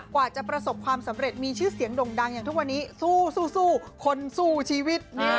กว่าจะประสบความสำเร็จมีชื่อเสียงด่งดังอย่างทุกวันนี้สู้คนสู้ชีวิต